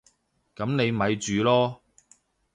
噉你咪住囉